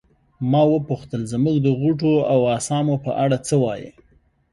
ما وپوښتل زموږ د غوټو او اسامو په اړه څه وایې.